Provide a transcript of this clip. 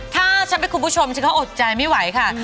ถ้าฉันเป็นคุณผู้ชมฉันก็อดใจไม่ไหวค่ะ